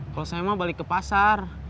kalau saya mau balik ke pasar